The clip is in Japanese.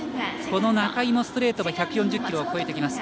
この仲井もストレートが１４０キロを超えてきます。